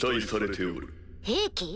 兵器？